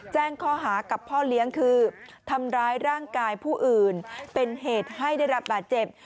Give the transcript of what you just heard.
แจ้งข้อหากับพ่อเลี้ยงคือทำร้ายร่างกายผู้อื่นเป็นเหตุให้ได้รับบาดเจ็บ